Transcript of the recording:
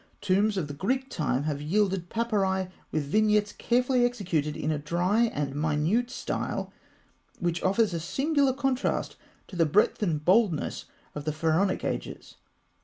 Tombs of the Greek time have yielded papyri with vignettes carefully executed in a dry and minute style which offers a singular contrast to the breadth and boldness of the Pharaonic ages.